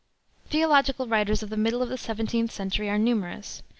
Theological writers of the middle of the seventeenth century are numerous.